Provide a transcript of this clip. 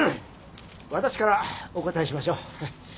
私からお答えしましょう。